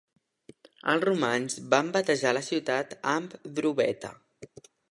Els romans van batejar la ciutat amb "Drobeta".